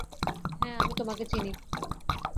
হ্যাঁ, আমি তোমাকে চিনি।